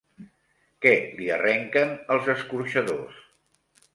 Què li arrenquen els escorxadors?